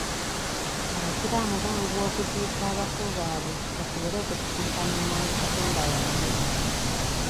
Abasiraamu banguwa okuziika abafu baabwe basobole okusisinkana amangu katonda waabwe.